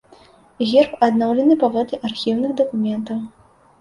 Герб адноўлены паводле архіўных дакументаў.